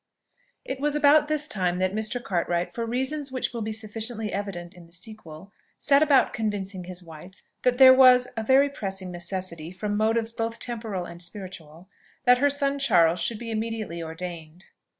It was about this time that Mr. Cartwright, for reasons which will be sufficiently evident in the sequel, set about convincing his wife that there was a very pressing necessity, from motives both temporal and spiritual, that her son Charles should be immediately ordained.